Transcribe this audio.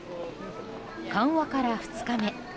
緩和から２日目。